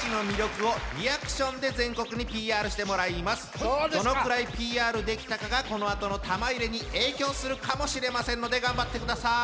さあ今からどのくらいＰＲできたかがこのあとの玉入れに影響するかもしれませんので頑張ってください。